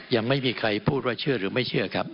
ยังไม่มีใครพูดว่าเชื่อหรือไม่เชื่อครับ